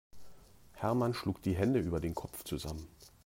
Hermann schlug die Hände über dem Kopf zusammen.